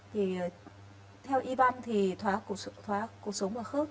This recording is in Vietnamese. thì theo y văn thì thỏa cuộc sống và khớp